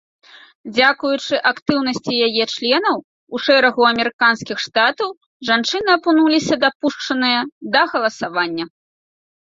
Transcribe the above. Дзякуючы актыўнасці яе членаў у шэрагу амерыканскіх штатаў жанчыны апынуліся дапушчаныя да галасавання.